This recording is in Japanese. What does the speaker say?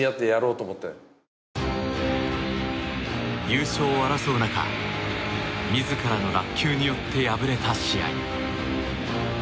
優勝を争う中自らの落球によって敗れた試合。